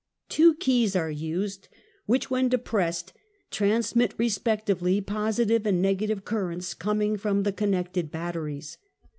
Two keys are used, which, when depressed, transmit respectively positive and negative currents coming from the connected batteries.